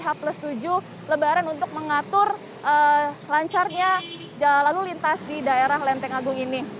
h tujuh lebaran untuk mengatur lancarnya lalu lintas di daerah lenteng agung ini